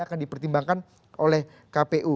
akan dipertimbangkan oleh kpu